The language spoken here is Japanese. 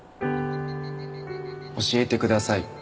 教えてください。